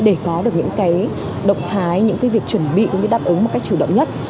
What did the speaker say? để có được những cái động thái những cái việc chuẩn bị đáp ứng một cách chủ động nhất